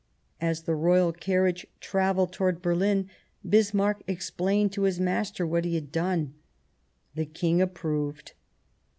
As the royal carriage travelled towards Berlin, Bismarck explained to his master what he had done : the King approved.